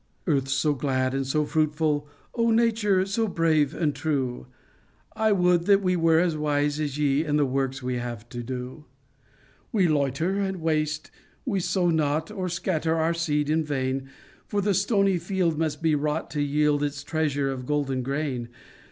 earth, so glad and so fruitful ! O nature, so brave and true ! 1 would that we were as wise as ye In the work we have to do ! IN AUTUMN 97 We loiter and waste, — we sow not, Or scatter our seed in vain, — For the stony field mast be wrought to yield Its treasure of golden grain.